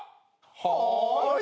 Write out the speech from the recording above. はい。